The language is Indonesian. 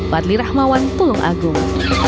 badli rahmawan tulung agung